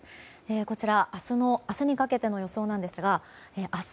こちら明日にかけての予想なんですが明日